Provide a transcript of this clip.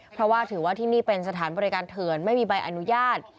เพราะว่าถือว่าที่นี่เป็นสถานบริการเถื่อนไม่มีใบอนุญาต